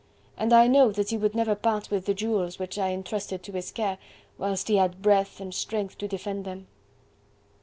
And I know that he would never part with the jewels which I entrusted to his care, whilst he had breath and strength to defend them."